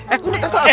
eh udah taro lagi